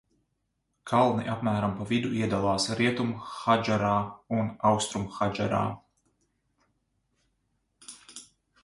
Kalni apmērām pa vidu iedalās Rietumhadžarā un Austrumhadžarā.